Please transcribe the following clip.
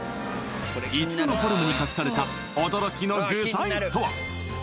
イチゴのフォルムに隠された驚きの具材とは？